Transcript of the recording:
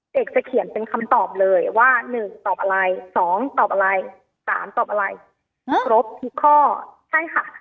เด็กจะเขียนเป็นคำตอบเลยว่า๑ตอบอะไร๒ตอบอะไร๓ตอบอะไรครบทุกข้อใช่ค่ะ